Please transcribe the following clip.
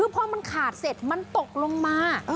พอมันขาดเสร็จมันตกลงมา